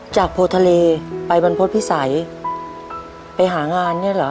จากพลทะเลไปบรรพศพิสัยไปหางานเนี่ยเหรอ